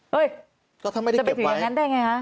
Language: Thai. เฮ้ยจะไปถึงอย่างนั้นได้อย่างไรคะ